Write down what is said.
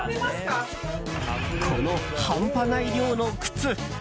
この半端ない量の靴。